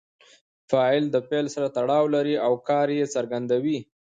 فاعل د فعل سره تړاو لري او کار ئې څرګندوي.